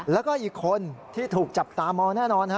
แล้วก็อีกคนที่ถูกจับตามองแน่นอน